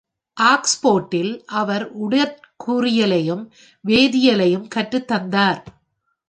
ஆக்ஸ்ஃபோர்டில் அவர் உடற்கூறியலையும் வேதியியலையும் கற்றுத்தந்தார்.